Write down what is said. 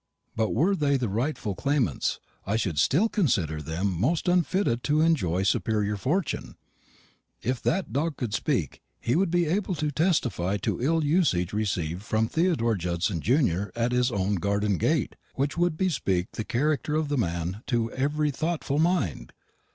But were they the rightful claimants, I should still consider them most unfitted to enjoy superior fortune. If that dog could speak, he would be able to testify to ill usage received from Theodore Judson junior at his own garden gate, which would bespeak the character of the man to every thoughtful mind.